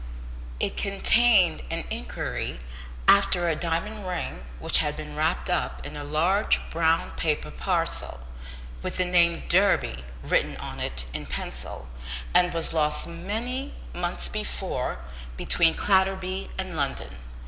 It contained an inquiry after a diamond ring which had been wrapped up in a large brown paper parcel, with the name Durby written on it in pencil, and was lost many months before between Clatterby and London.